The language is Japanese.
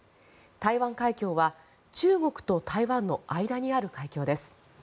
台湾海峡は中国と台湾の間にある海峡です。